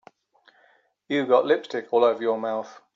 You've got lipstick all over your mouth.